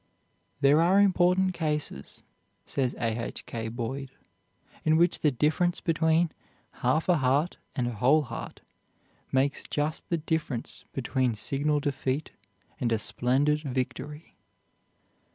"There are important cases," says A. H. K. Boyd, "in which the difference between half a heart and a whole heart makes just the difference between signal defeat and a splendid victory."